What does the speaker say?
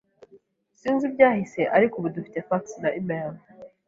Sinzi ibyahise, ariko ubu dufite fax na imeri.